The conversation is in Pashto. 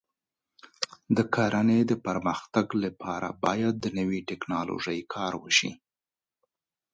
د کرنې د پرمختګ لپاره باید د نوې ټکنالوژۍ کار وشي.